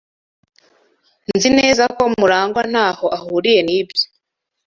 Nzi neza ko Murangwa ntaho ahuriye nibyo.